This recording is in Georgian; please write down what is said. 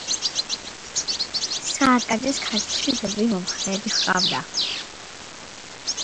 სააკაძეს ქართლში ბევრი მომხრეები ჰყავდა.